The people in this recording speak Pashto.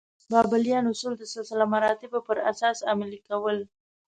بابلیان اصول د سلسله مراتبو پر اساس عملي کول.